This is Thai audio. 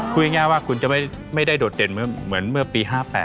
พูดง่ายว่าคุณจะไม่ได้โดดเด่นเหมือนเมื่อปี๕๘